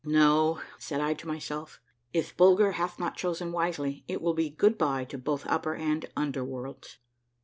"No," said I to my self, " if Bulger hath not chosen wisely, it will be good by to both upper and under worlds."